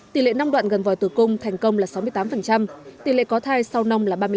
tỷ lệ nong đoạn gần vòi tử cung thành công là sáu mươi tám tỷ lệ có thai sau nong là ba mươi năm